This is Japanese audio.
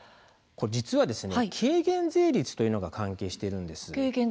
実は軽減税率というのが関係しているんです。